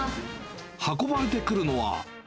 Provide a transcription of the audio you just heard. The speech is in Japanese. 運ばれてくるのは。